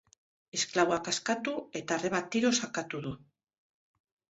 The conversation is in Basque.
Esklaboak askatu eta arreba tiroz akatu du.